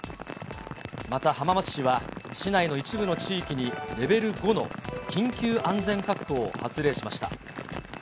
また浜松市は、市内の一部の地域にレベル５の緊急安全確保を発令しました。